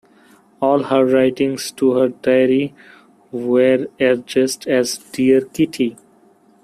All her writings to her diary were addressed as 'Dear Kitty'.